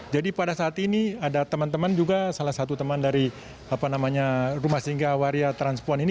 jadi pada saat ini ada teman teman juga salah satu teman dari apa namanya rumah singgah waria transpon ini